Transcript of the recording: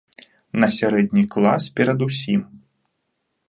На сярэдні клас перадусім.